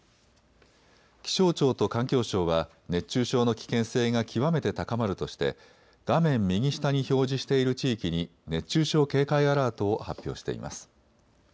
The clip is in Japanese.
気象庁と環境省は熱中症の危険性が極めて高まるとして画面右下に表示している地域に熱中症警戒アラートを発表しています。